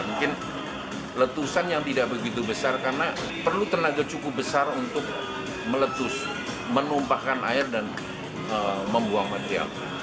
mungkin letusan yang tidak begitu besar karena perlu tenaga cukup besar untuk meletus menumpahkan air dan membuang material